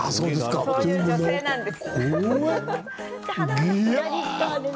そういう女性なんです。